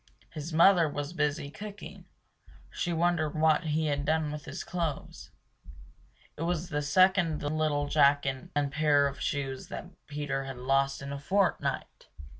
His mother was busy cooking; she wondered what he had done with his clothes. It was the second little jacket and pair of shoes that Peter had lost in a fortnight!